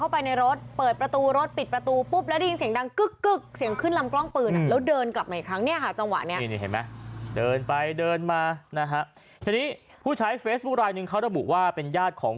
มันจะมีเสียงขึ้นลำกล้องปืนชัดเจนมาก